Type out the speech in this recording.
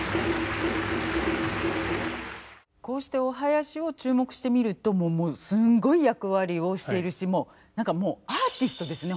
こうしてお囃子を注目してみるともうすごい役割をしているし何かもうアーティストですね